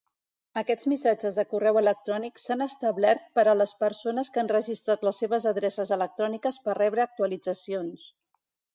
Aquests missatges de correu electrònic s'han establert per a les persones que han registrat les seves adreces electròniques per rebre actualitzacions.